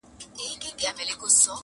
که زما د خاموشۍ ژبه ګویا سي-